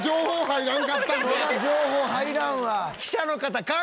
そりゃ情報入らんわ。